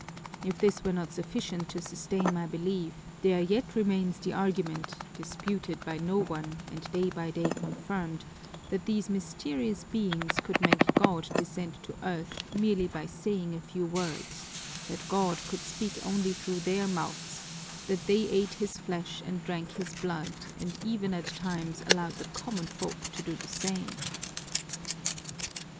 If this were not sufficient to sustain my belief, there yet remains the argument, disputed by no one and day by day confirmed, that these mysterious beings could make God descend to earth merely by saying a few words, that God could speak only through their mouths, that they ate His flesh and drank His blood, and even at times allowed the common folk to do the same.'"